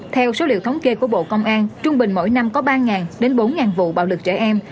theo số liệu thống kê của bộ công an trung bình mỗi năm có ba đến bốn vụ bạo lực trẻ em